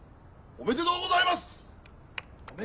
おめでとうございます！